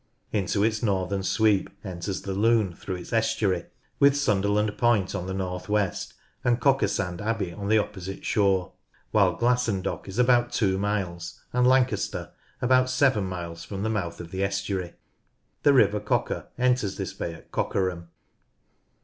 Into its northern sweep enters the Lune through its estuary, with Sunderland Point on the north west and Cockersand Abbey on the opposite shore, while Glasson Dock is about two miles and Lancaster about seven miles from the mouth of the estuary. The river Cocker enters this bay at Cockerham.